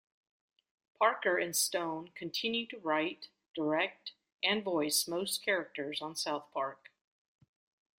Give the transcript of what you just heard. Parker and Stone continue to write, direct, and voice most characters on "South Park".